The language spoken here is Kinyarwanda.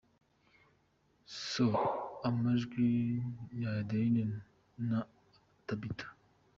So, amajwi ni ay’Adeline na Tabitha.